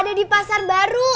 ada di pasar baru